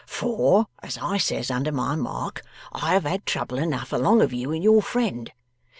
For (as I says under my mark) I have had trouble enough along of you and your friend.